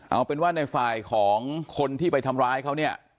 เอาเป็นว่าในฝ่ายของคนที่ไปทำร้ายเขาเนี่ย